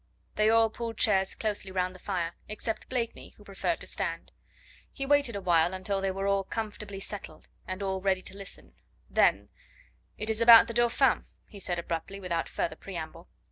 They all pulled chairs closely round the fire, except Blakeney, who preferred to stand. He waited awhile until they were all comfortably settled, and all ready to listen, then: "It is about the Dauphin," he said abruptly without further preamble.